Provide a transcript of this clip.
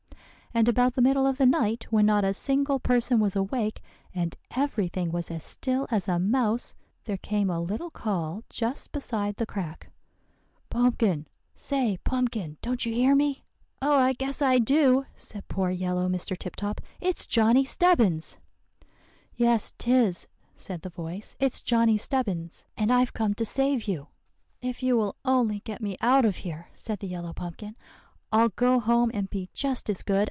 "And about the middle of the night, when not a single person was awake, and every thing was as still as a mouse, there came a little call just beside the crack, 'Pumpkin! say, Pumpkin, don't you hear me?' [Illustration: "Pumpkin! say, Pumpkin, don't you hear me?"] "'Oh, I guess I do!' said poor yellow Mr. Tip Top; 'it's Johnny Stebbins.' "'Yes 'tis,' said the voice, 'it's Johnny Stebbins, and I've come to save you.' "'If you will only get me out of here,' said the yellow pumpkin, 'I'll go home and be just as good.